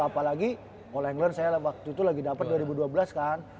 apalagi all ang all saya waktu itu lagi dapet dua ribu dua belas kan